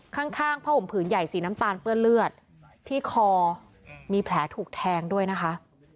ข้างข้างผ้าห่มผืนใหญ่สีน้ำตาลเปื้อนเลือดที่คอมีแผลถูกแทงด้วยนะคะ